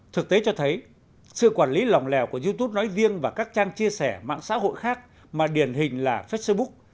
thực tế cho thấy sự quản lý lòng lèo của youtube nói riêng và các trang chia sẻ mạng xã hội khác mà điển hình là facebook